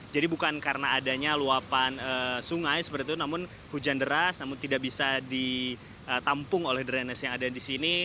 jadi bukan karena adanya luapan sungai seperti itu namun hujan deras namun tidak bisa ditampung oleh drainase yang ada di sini